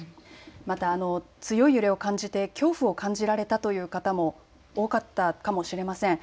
また強い揺れを感じて恐怖を感じられたという方も多かったかもしれません。